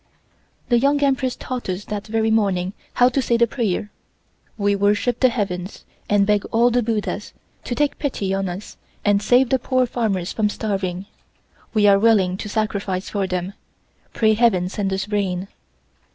The Young Empress taught us that very morning how to say the prayer: "We worship the Heavens, and beg all the Buddhas to take pity on us and save the poor farmers from starving. We are willing to sacrifice for them. Pray Heaven send us rain."